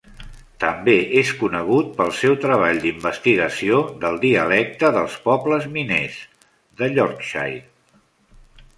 També és conegut pel seu treball d'investigació del dialecte dels "pobles miners" de Yorkshire.